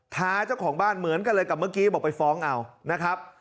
ท้าเจ้าของบ้านเหมือนกันเลยกับเมื่อกี้บอกไปฟ้องเอานะครับ